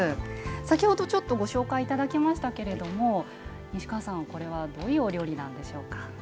先ほど、ご紹介いただきましたが西川さん、これはどういうお料理なんでしょうか。